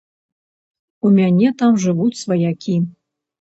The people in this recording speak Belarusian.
У мяне там жывуць сваякі.